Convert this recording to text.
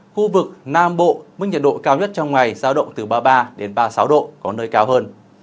khu vực nam bộ mức nhiệt độ cao nhất trong ngày giao động từ ba mươi ba đến ba mươi sáu độ có nơi cao hơn